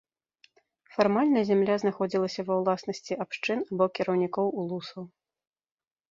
Фармальна зямля знаходзілася ва ўласнасці абшчын або кіраўнікоў улусаў.